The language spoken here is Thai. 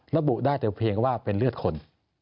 ระบุได้แต่เพียงว่าเป็นเลือดคน